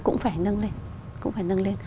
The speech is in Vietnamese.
cũng phải nâng lên cũng phải nâng lên